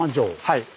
はい。